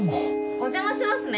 お邪魔しますね。